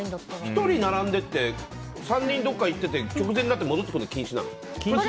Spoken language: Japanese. １人並んでて３人どこか行ってて直前になって戻ってくるのは禁止なの？